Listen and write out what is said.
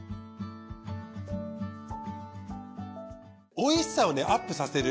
おいしさをねアップさせる